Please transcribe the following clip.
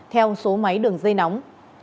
theo số máy đường dây nóng